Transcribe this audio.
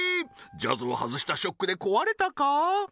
ジャズを外したショックで壊れたか？